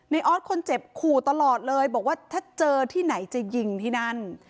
ออสคนเจ็บขู่ตลอดเลยบอกว่าถ้าเจอที่ไหนจะยิงที่นั่น